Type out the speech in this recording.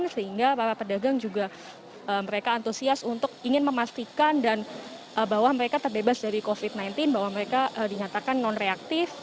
sehingga para pedagang juga mereka antusias untuk ingin memastikan dan bahwa mereka terbebas dari covid sembilan belas bahwa mereka dinyatakan non reaktif